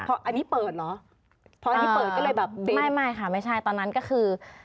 เพราะอันนี้เปิดก็เลยแบบเป็นใช่ไม่ค่ะไม่ใช่ตอนนั้นก็คือ